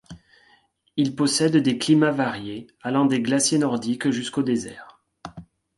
Il possède des climats variés, allant des glaciers nordiques jusqu'aux déserts.